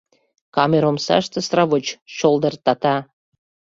Камер омсаште сравоч чолдыртата.